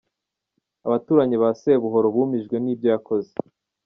Abaturanyi ba Sebuhoro bumijwe n’ibyo yakoze.